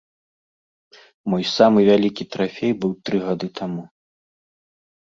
Мой самы вялікі трафей быў тры гады таму.